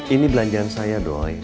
ini belanjaan saya doi